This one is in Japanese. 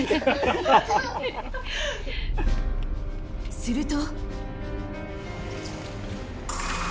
すると。